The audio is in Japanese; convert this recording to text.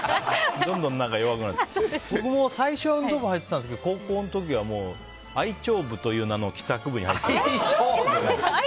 僕も最初は運動部入ってたんですけど高校の時は愛鳥部という名の帰宅部に。